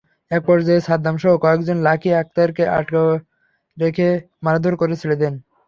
একপর্যায়ে সাদ্দামসহ কয়েকজন লাকী আক্তারকে আটকে রেখে মারধর করে ছেড়ে দেন।